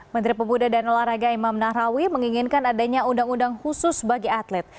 menteri pemuda dan olahraga imam nahrawi menginginkan adanya undang undang khusus bagi atlet